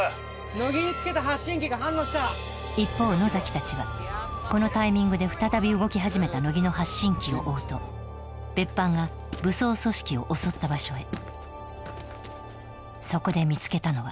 乃木につけた発信機が反応した一方野崎たちはこのタイミングで再び動き始めた乃木の発信機を追うと別班が武装組織を襲った場所へそこで見つけたのは